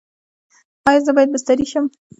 ایا زه باید بستري شم؟